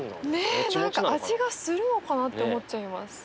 ねえ何か味がするのかなって思っちゃいます。